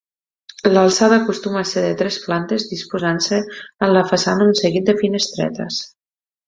L'alçada acostuma a ser de tres plantes disposant-se en la façana un seguit de finestretes.